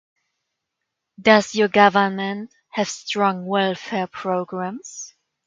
Does your government have strong welfare programs?